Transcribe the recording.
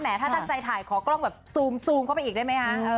ถ้าตั้งใจถ่ายขอกล้องแบบซูมเข้าไปอีกได้ไหมคะ